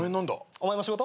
お前も仕事？